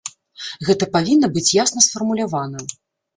Гэта павінна быць ясна сфармулявана.